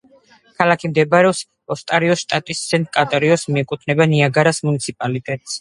ქალაქი მდებარეობს ონტარიოს შტატში, სენტ-კატარინსი მიეკუთვნება ნიაგარას მუნიციპალიტეტს.